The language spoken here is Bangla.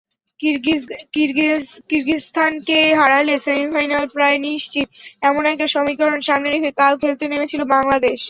কিরগিজস্তানকে হারালে সেমিফাইনাল প্রায় নিশ্চিত—এমন একটা সমীকরণ সামনে রেখে কাল খেলতে নেমেছিল বাংলাদেশ।